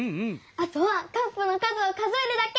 あとはカップの数を数えるだけ！